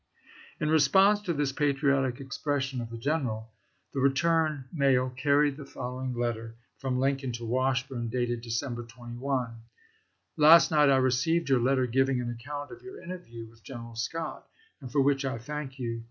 '" In response to this patriotic expression of the general, the return mail carried the following letter from Lincoln to Washburne, dated December 21: " Last night I received your letter giving an ac count of your interview with General Scott, and for which I thank you.